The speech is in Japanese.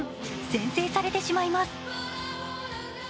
先制されてしまいます。